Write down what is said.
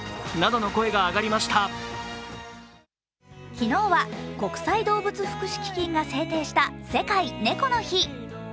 昨日は、国際動物福祉基金が制定した世界猫の日。